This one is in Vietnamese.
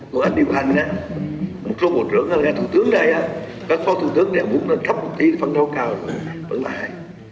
còn anh điều hành á một số bộ trưởng ngay thủ tướng đây á các phó thủ tướng này muốn thấp một tí phân đấu cao rồi vẫn là hai